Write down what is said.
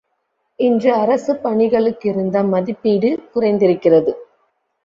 இன்று அரசுப் பணிகளுக்கிருந்த மதிப்பீடு குறைந்திருக்கிறது.